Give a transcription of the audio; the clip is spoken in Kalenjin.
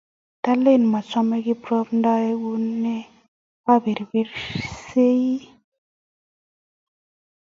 Ndalen machame Kiprop aeku neaperperisyei